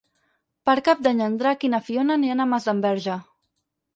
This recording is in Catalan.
Per Cap d'Any en Drac i na Fiona aniran a Masdenverge.